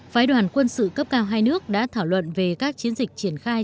phái đoàn quân sự cấp cao hai nước đã thảo luận về các chiến dịch triển khai